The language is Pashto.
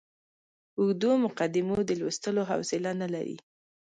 اوږدو مقدمو د لوستلو حوصله نه لري.